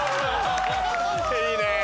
いいね。